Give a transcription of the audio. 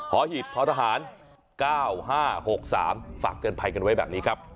หีบททหาร๙๕๖๓ฝากเตือนภัยกันไว้แบบนี้ครับ